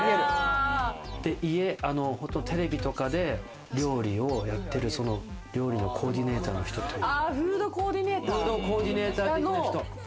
テレビとかで料理をやってる料理のコーディネーターの人とか。